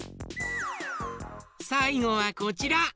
さいごはこちら。